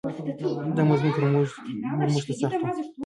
دا مضمون تر نورو موږ ته سخت و.